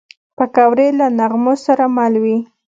پکورې له نغمو سره مل وي